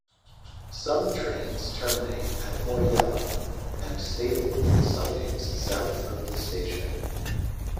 Some trains terminate at Mordialloc and stable in the sidings south of the station.